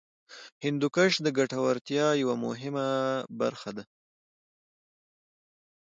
هندوکش د ګټورتیا یوه مهمه برخه ده.